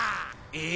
え？